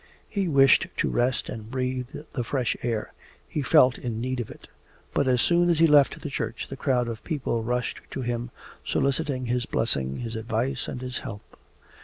He wished to rest and breathe the fresh air he felt in need of it. But as soon as he left the church the crowd of people rushed to him soliciting his blessing, his advice, and his help.